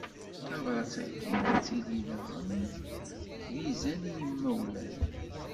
Tabrat-agi ad tili daɣen d izen i yimawlan.